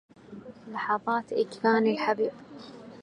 لحظات أجفان الحبيب